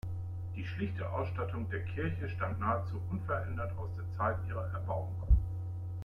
Die schlichte Ausstattung der Kirche stammt nahezu unverändert aus der Zeit ihrer Erbauung.